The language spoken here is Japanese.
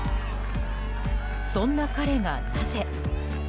そんな彼がなぜ。